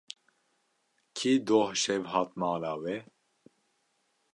Kî doh şev hat mala we.